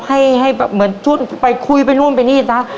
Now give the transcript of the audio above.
ให้เหมือนชวนไปคุยไปนู่นไปนี่ซะ